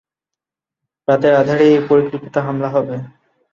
রাতের আঁধারেই এ পরিকল্পিত হামলা হবে।